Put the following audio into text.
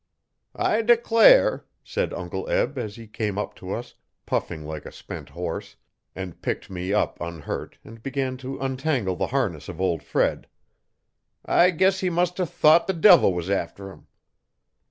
'I declare!' said Uncle Eb as he came up to us, puffing like a spent horse, and picked me up unhurt and began to untangle the harness of old Fred, 'I guess he must a thought the devil was after him.'